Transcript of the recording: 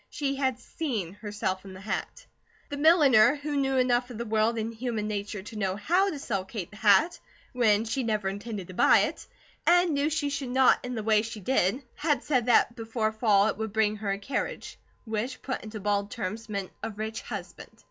She had SEEN herself in the hat. The milliner, who knew enough of the world and human nature to know how to sell Kate the hat, when she never intended to buy it, and knew she should not in the way she did, had said that before fall it would bring her a carriage, which put into bald terms meant a rich husband.